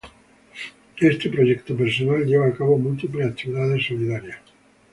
Este proyecto personal lleva a cabo múltiples actividades solidarias.